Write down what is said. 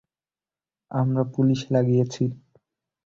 আমরা পুলিশ লাগিয়েছি।